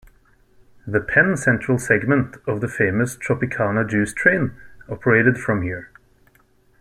The Penn Central segment of the famous Tropicana Juice Train operated from here.